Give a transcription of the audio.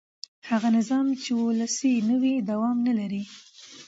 هغه نظام چې ولسي نه وي دوام نه لري